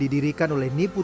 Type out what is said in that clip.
ini biasanya he saling nyuruh